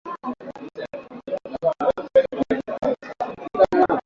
shirika la kutetea hakli za binadamu inaelezea wasiwasi kuhusu kuteswa wafungwa nchini Uganda